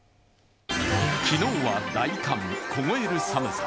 昨日は大寒、凍える寒さ。